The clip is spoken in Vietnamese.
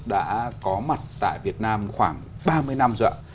đã có mặt tại việt nam khoảng ba mươi năm rồi